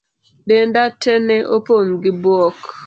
Denda tee ne opong' gi buok.